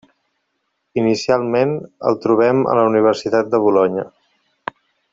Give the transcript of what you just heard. Inicialment el trobem a la Universitat de Bolonya.